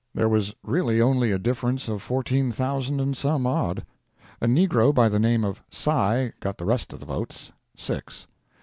There was really only a difference of fourteen thousand and some odd. A negro by the name of "Sy" got the rest of the votes—six.